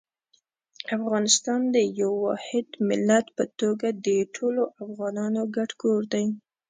افغانستان د یو واحد ملت په توګه د ټولو افغانانو ګډ کور دی.